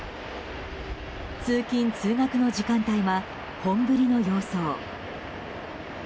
通勤・通学の時間帯は本降りの様相。